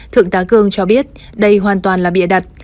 thượng tá cương cho biết đây hoàn toàn là bịa đặt